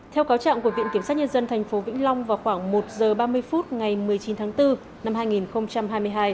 theo cáo trạng của viện kiểm sát nhân dân tp vĩnh long vào khoảng một giờ ba mươi phút ngày một mươi chín tháng bốn năm hai nghìn hai mươi hai